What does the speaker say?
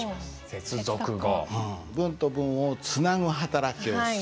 文と文をつなぐ働きをする。